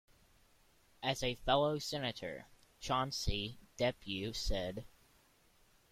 Also a fellow Senator, Chauncey Depew, said.